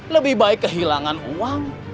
lebih baik kehilangan uang